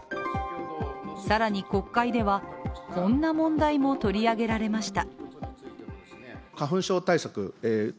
更に国会では、こんな問題も取り上げられました。